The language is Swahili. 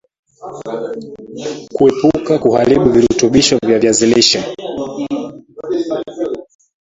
Kuepuka kuharibu virutubishi vya viazi lishe